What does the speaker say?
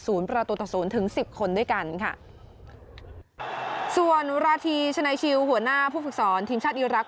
ประตูต่อศูนย์ถึงสิบคนด้วยกันค่ะส่วนราธีชนายชิลหัวหน้าผู้ฝึกสอนทีมชาติอีรักษ